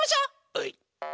はい！